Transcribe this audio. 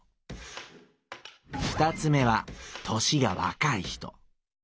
二つ目は年が若い人。